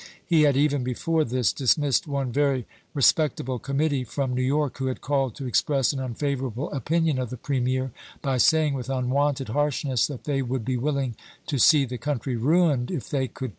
He had even before this dismissed one very respec table committee from New York who had called to express an unfavorable opinion of the premier, by saying, with unwonted harshness, that they would "Lifeof°s. be willing to see the country ruined if they could p.